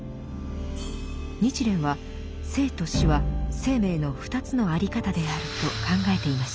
日蓮は生と死は生命の二つのあり方であると考えていました。